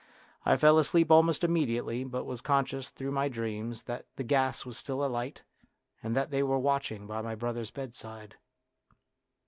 I fell asleep almost immediately, but was conscious through my dreams that the gas was still alight and that they were watching by my brother's bedside.